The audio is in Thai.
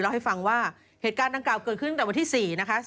ให้ฟังว่าเหตุการณ์ดังกล่าวเกิดขึ้นตั้งแต่วันที่๔นะคะ